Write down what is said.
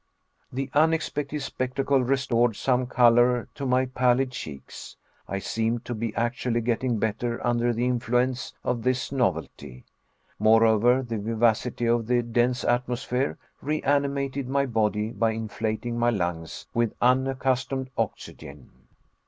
The unexpected spectacle restored some color to my pallid cheeks. I seemed to be actually getting better under the influence of this novelty. Moreover, the vivacity of the dense atmosphere reanimated my body by inflating my lungs with unaccustomed oxygen.